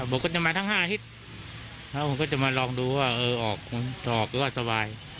บอกว่าจะมาทั้ง๕อาทิตย์แล้วผมก็จะมาลองดูว่าเออออกก็สบาย